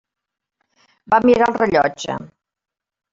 Va mirar el rellotge.